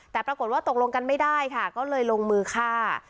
แต่ปรากฏว่าตกลงกันไม่ได้ค่ะก็เลยลงมือฆ่า